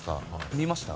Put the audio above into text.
見ました？